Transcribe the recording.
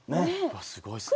すごいですね。